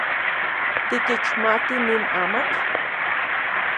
¿Tikixmati nin amatl?